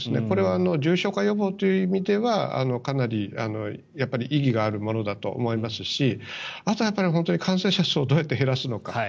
これは重症化予防という意味ではかなり意義があるものだと思いますしあとは感染者数をどうやって減らすのか。